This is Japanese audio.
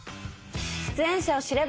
出演者を知れば。